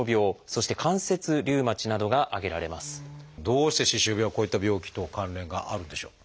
どうして歯周病はこういった病気と関連があるんでしょう？